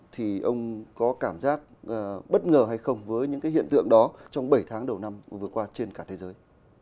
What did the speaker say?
thì ông có cảm giác bất ngờ hay không với những cái hiện tượng đó trong bảy tháng đầu năm vừa qua trên cả thế giới